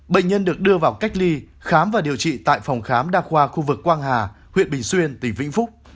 bệnh nhân được đưa vào cách ly khám và điều trị tại phòng khám đa khoa khu vực quang hà huyện bình xuyên tỉnh vĩnh phúc